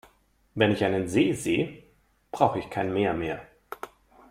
Wenn ich einen See seh brauch ich kein Meer mehr.